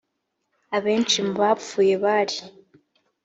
abenshi mu bapfuye bari